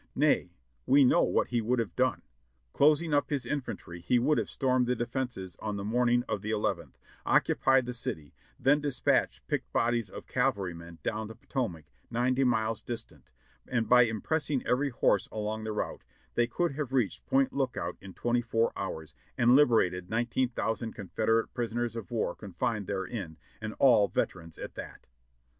Nay, we know what he would have done. Closing up his infantry, he would have stormed the defenses on the morning of the eleventh, occu pied the city, then dispatched picked bodies of cavalrymen down the Potomac, ninety miles distant, and by impressing every horse along the route, they could have reached Point Lookout in twenty four hours, and liberated 19,000 Confederate prisoners of war confined therein, and all veterans at that.